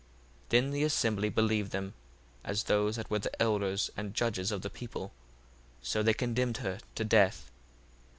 1:41 Then the assembly believed them as those that were the elders and judges of the people: so they condemned her to death.